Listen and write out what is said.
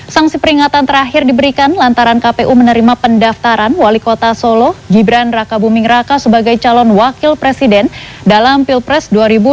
sanksi peringatan terakhir diberikan lantaran kpu menerima pendaftaran wali kota solo gibran raka buming raka sebagai calon wakil presiden dalam pilpres dua ribu dua puluh